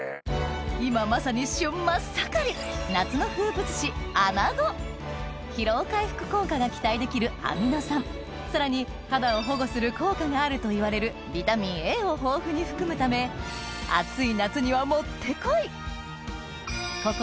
今まさに旬真っ盛り夏の風物詩疲労回復効果が期待できるアミノ酸さらに肌を保護する効果があるといわれるビタミンＡを豊富に含むため暑い夏にはもってこいここ